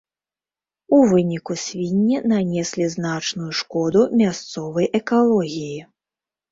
У выніку свінні нанеслі значную шкоду мясцовай экалогіі.